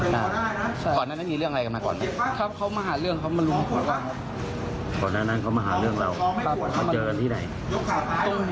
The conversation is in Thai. แล้วเข้ามาหาเรื่องเข้ามาหาเรื่องไปไหน